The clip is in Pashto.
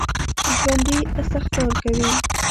ژوندي استغفار کوي